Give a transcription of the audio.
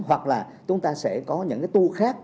hoặc là chúng ta sẽ có những cái tour khác